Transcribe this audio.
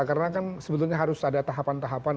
karena kan sebetulnya harus ada tahapan tahapan